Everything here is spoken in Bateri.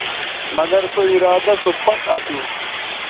مگر سو ارادہ سو پَک اسو